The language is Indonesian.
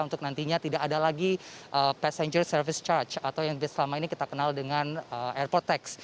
untuk nantinya tidak ada lagi passenger service charge atau yang selama ini kita kenal dengan airport tax